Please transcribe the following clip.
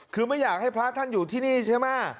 คือไม่อยากให้พระท่านอยู่ที่นี่ใช่ไหม